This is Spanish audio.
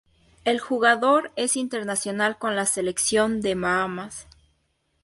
El jugador es Internacional con la Selección de Bahamas.